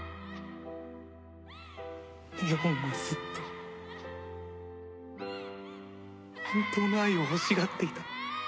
祢音はずっと本当の愛を欲しがっていた。